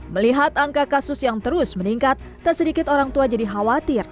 melihat angka kasus yang terus meningkat tak sedikit orang tua jadi khawatir